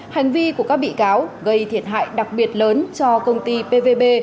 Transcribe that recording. hành vi của các bị cáo gây thiệt hại đặc biệt lớn cho công ty pvb